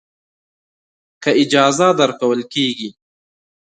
که اجازه درکول کېږي.